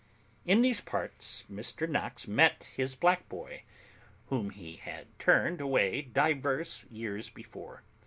In these parts Mr Knox met his black boy, whom he had turned away divers years before.